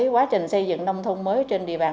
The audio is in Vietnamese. quá trình xây dựng nông thôn mới trên địa bàn